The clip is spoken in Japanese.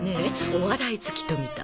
お笑い好きと見た